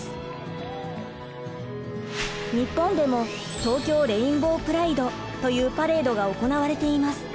日本でも東京レインボープライドというパレードが行われています。